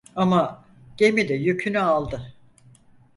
Ama gemi de yükünü aldı…